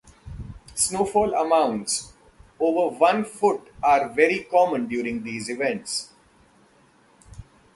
Snowfall amounts over one foot are very common during these events.